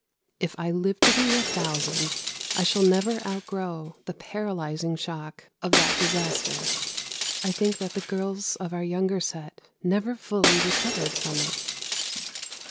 If I live to be a thousand, I shall never outgrow the paralyzing shock of that disaster. I think that the girls in our younger set never fully recovered from it.